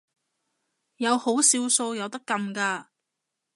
有好少數有得撳嘅